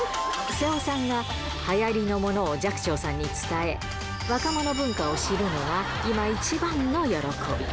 瀬尾さんが、はやりのものを寂聴さんに伝え、若者文化を知るのが今一番の喜び。